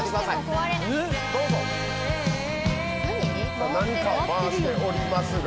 さぁ何かを回しておりますが。